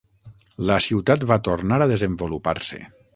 La ciutat va tornar a desenvolupar-se.